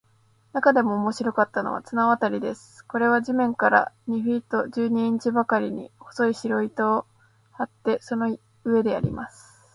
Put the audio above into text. なかでも面白かったのは、綱渡りです。これは地面から二フィート十二インチばかりに、細い白糸を張って、その上でやります。